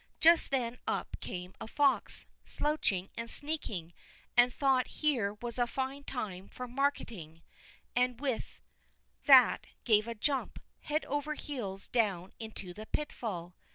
Just then up came a fox, slouching and sneaking, and thought here was a fine time for marketing, and with that gave a jump—head over heels down into the pitfall.